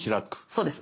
そうです。